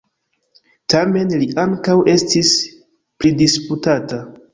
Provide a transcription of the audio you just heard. Tamen li ankaŭ estis pridisputata.